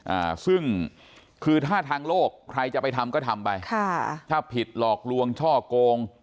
อ่าซึ่งคือถ้าทางโลกใครจะไปทำก็ทำไปค่ะถ้าผิดหลอกลวงช่อโกง